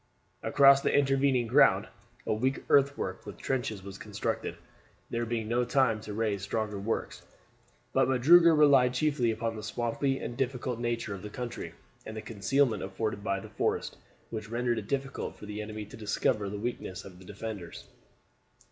Across the intervening ground a weak earthwork with trenches was constructed, there being no time to raise stronger works; but Magruder relied chiefly upon the swampy and difficult nature of the country, and the concealment afforded by the forest, which rendered it difficult for the enemy to discover the weakness of the defenders.